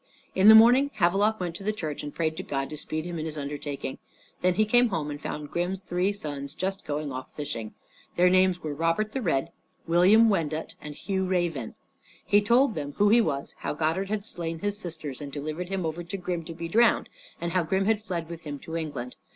In the morning Havelok went to the church and prayed to God to speed him in his undertaking. Then he came home and found Grim's three sons just going off fishing. Their names were Robert the Red, William Wendut, and Hugh Raven. He told them who he was, how Godard had slain his sisters, and delivered him over to Grim to be drowned, and how Grim had fled with him to England.